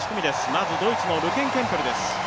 まずドイツのルケンケムペルです。